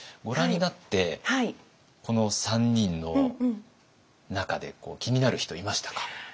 ご覧になってこの３人の中で気になる人いましたか？